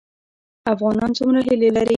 افغانان څومره هیلې لري؟